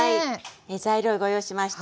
材料ご用意しました。